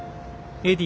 エディ！